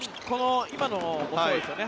今のもそうですよね。